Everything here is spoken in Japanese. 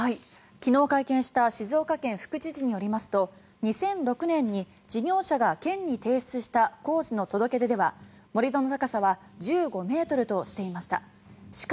昨日会見した静岡県副知事によりますと２００６年に事業者が県に提出した工事の届け出では盛り土の高さは１５ｍとしていました。